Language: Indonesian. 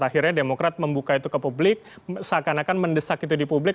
akhirnya demokrat membuka itu ke publik seakan akan mendesak itu di publik